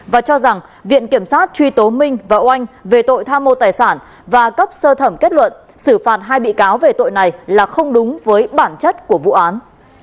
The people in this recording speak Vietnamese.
và cho rằng viện kiểm sát truy tố minh và oanh về tội tham mô tài sản và cấp sơ thẩm kết luận xử phạt hai bị cáo về tội này là không đúng với bản chất của vụ án